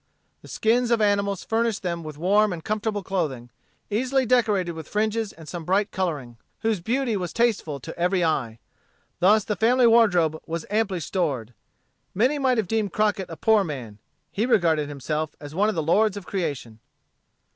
The skins of animals furnished them with warm and comfortable clothing, easily decorated with fringes and some bright coloring, whose beauty was tasteful to every eye. Thus the family wardrobe was amply stored. Many might have deemed Crockett a poor man. He regarded himself as one of the lords of creation.